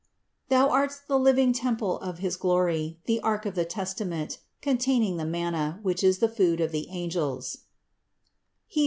Thou art the living temple of his glory, the ark of the Testa ment, containing the Manna, which is the food of the angels (Heb.